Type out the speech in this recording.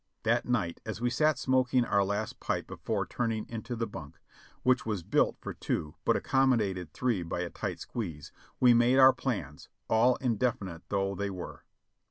That night as we sat smoking our last pipe before turning into the bunk, which was built for two but accommodated three by a tight squeeze, we made our plans, all indefinite though they were.